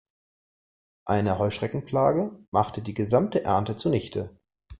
Eine Heuschreckenplage machte die gesamte Ernte zunichte.